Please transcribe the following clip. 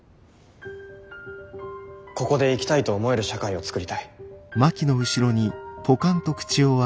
ここで生きたいと思える社会を創りたい。